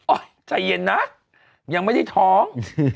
ใจเย็นนะยังไม่ได้ท้อง